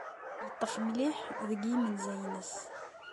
Yeḍḍef mliḥ deg yimenzayen-nnes.